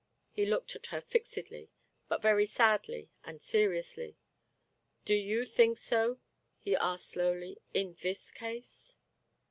He looked at her fixedly, but very sadly and seriously. " Do you think so," he asked slowly —" in this case?"